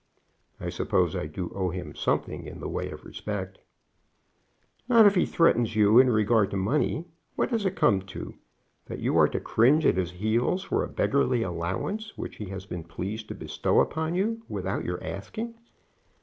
"I suppose I do owe him something, in the way of respect." "Not if he threatens you in regard to money. What does it come to? That you are to cringe at his heels for a beggarly allowance which he has been pleased to bestow upon you without your asking.